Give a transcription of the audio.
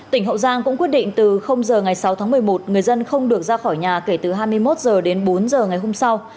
tỉnh hậu giang cũng quyết định từ h ngày sáu tháng một mươi một người dân không được ra khỏi nhà kể từ hai mươi một h đến bốn h ngày hôm sau